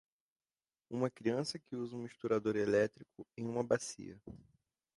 Uma criança que usa um misturador elétrico em uma bacia.